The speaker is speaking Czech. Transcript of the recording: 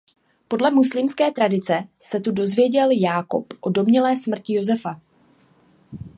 Podle muslimské tradice se tu dozvěděl Jákob o domnělé smrti Josefa.